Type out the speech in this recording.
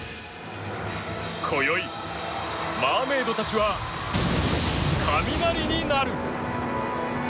こよい、マーメイドたちは雷になる！